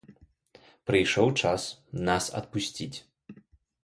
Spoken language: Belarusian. Прыйшоў час нас адпусціць.